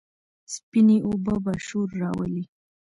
سپينې اوبه به شور راولي،